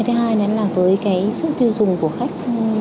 thứ hai là với cái sức tiêu dùng của khách